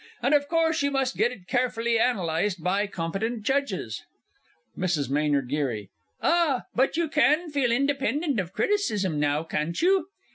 And of course you must get it carefully analysed by competent judges MRS. M. G. Ah, but you can feel independent of criticism now, can't you?